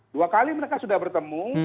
dua kali mereka sudah bertemu